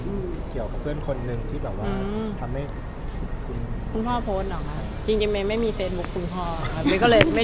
มีเพื่อนทำให้เห็นเขาแบบหนักใจยังไง